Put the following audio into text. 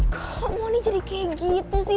kok moni jadi kayak gitu sih